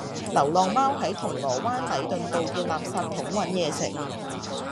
流浪貓喺銅鑼灣禮頓道嘅垃圾桶搵野食